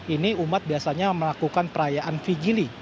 ini umat biasanya melakukan perayaan vigili